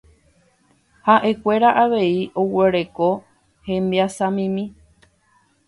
Ha'ekuéra avei oguereko hembiasamimi.